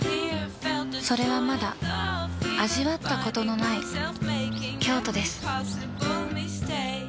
それはまだ味わったことのない何？